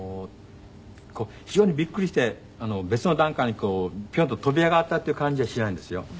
非常にビックリして別の段階にこうピョンと飛び上がったっていう感じはしないんですよ。